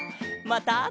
また。